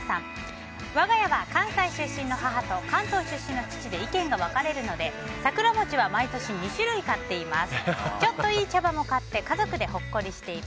我が家は関西出身の母と関東出身の父で意見が分かれるので桜餅は毎年２種類買っています。